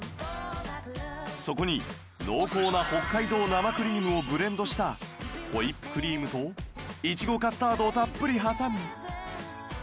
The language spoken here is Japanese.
そこに濃厚な北海道生クリームをブレンドしたホイップクリームといちごカスタードをたっぷり挟み